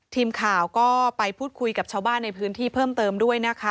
ทีมข่าวก็ไปพูดคุยกับชาวบ้านในพื้นที่เพิ่มเติมด้วยนะคะ